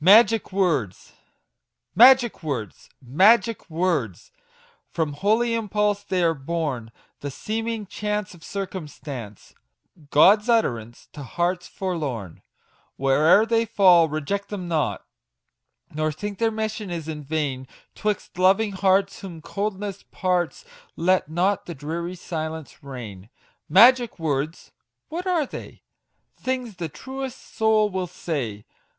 MAGIC WORDS. Magic words ! magic words ! From holy impulse they are born, The seeming chance of circumstance, God's utterance to hearts forlorn ; Where'er they fall reject them not, Nor think their mission is in vain ; 'Twixt loving hearts, whom coldness parts, Let not the dreary silence reign. Magic words ! what are they ? Things the truest soul will say